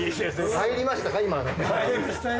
入りましたよ。